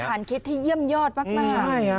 มีคล้านคิดที่เยี่ยมยอดมาก